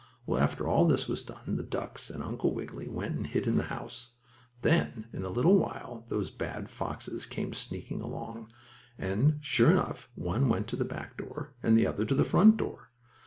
Well, after all this was done, the ducks and Uncle Wiggily went and hid in the house. Then, in a little while, those bad foxes came sneaking along. And, sure enough, one went to the back door and the other to the front door.